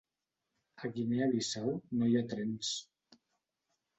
A Guinea Bissau no hi ha trens.